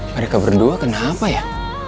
mereka berdua kenapa ya